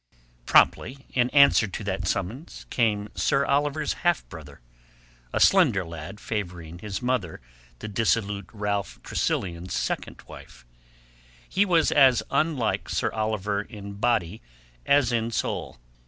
Promptly, in answer to that summons, came Sir Oliver's half brother—a slender lad favouring his mother the dissolute Ralph Tressilian's second wife. He was as unlike Sir Oliver in body as in soul.